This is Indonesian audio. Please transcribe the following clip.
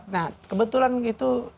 nah kebetulan itu